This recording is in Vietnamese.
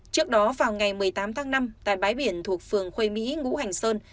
trước đó vào ngày một mươi tám tháng năm tại bãi biển thuộc phường khuê mỹ ngũ hành sơn